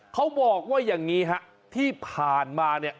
เขาบอกว่าอย่างนี้ฮะที่ผ่านมาเนี่ย